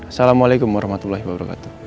assalamualaikum warahmatullahi wabarakatuh